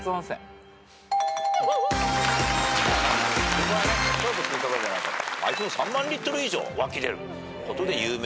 ここはね勝負するところじゃないから。